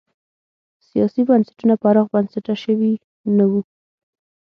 سیاسي بنسټونه پراخ بنسټه شوي نه وو.